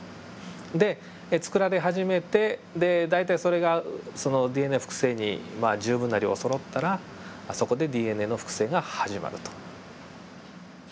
で作られ始めて大体それがそのＤＮＡ複製にまあ十分な量そろったらそこでＤＮＡの複製が始まると。